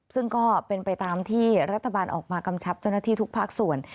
ซึ่งก็เป็นไปตามที่รัฐบาลออกมากำชับเจ้าหน้าที่ทุกภาคส่วน